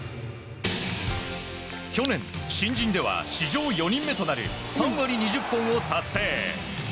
去年新人では史上４人目となる３割２０本を達成。